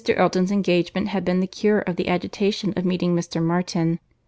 Elton's engagement had been the cure of the agitation of meeting Mr. Martin.